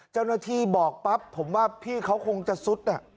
เจ้าหน้าที่บอกปั๊บผมว่าพี่เขาคงจะซุด